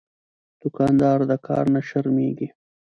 دوکاندار د کار نه شرمېږي.